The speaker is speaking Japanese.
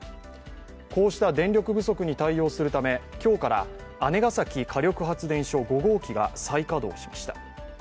こうした電力不足に対応するため今日から姉崎火力発電所５号機が再稼働しました。